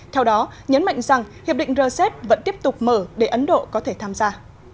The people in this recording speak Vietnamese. theo đó nhấn mạnh rằng hiệp định rcep vẫn tiếp tục mở để ấn độ có thể tham gia